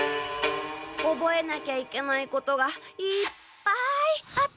おぼえなきゃいけないことがいっぱいあったから。